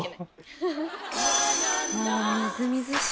［もうみずみずしい。］